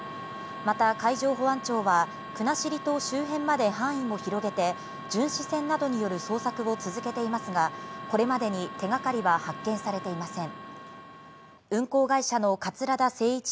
また海上保安庁は国後島周辺まで範囲を広げて、巡視船などによる捜索を続けていますが、これまでに手掛かりは発見されていません。